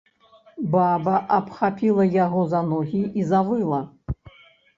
Баба абхапіла яго за ногі і завыла.